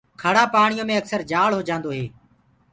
کيڙآ پآڻيو مي اڪسر جآݪ هوجآندو هي۔